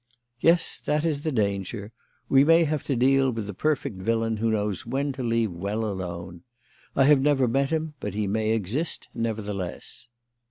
"Yes, that is the danger. We may have to deal with the perfect villain who knows when to leave well alone. I have never met him, but he may exist, nevertheless."